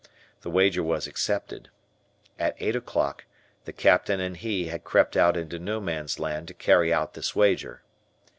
The wager was accepted. At eight o' clock the Captain and he had crept out into No Man's Land to carry out this wager.